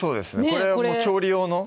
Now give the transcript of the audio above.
これ調理用の？